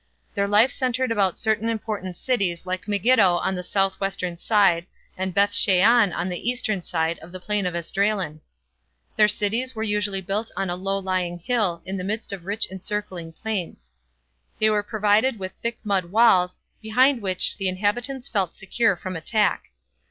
Their life centered about certain important cities like Megiddo on the southwestern side and Bethshean on the eastern side of the Plain of Esdraelon. Their cities were usually built on a low lying hill in the midst of rich encircling plains. They were provided with thick mud walls, behind which the inhabitants felt secure from attack.